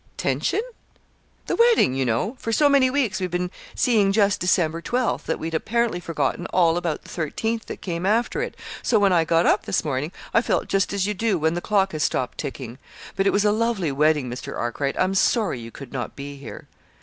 "Tension?" "The wedding, you know. For so many weeks we've been seeing just December twelfth, that we'd apparently forgotten all about the thirteenth that came after it; so when I got up this morning I felt just as you do when the clock has stopped ticking. But it was a lovely wedding, Mr. Arkwright. I'm sorry you could not be here."